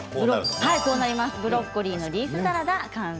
ブロッコリーのリースサラダ